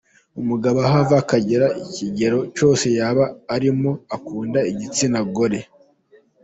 Umugabo aho ava akagera, ikegero cyose yaba arimo akunda igitsina gore.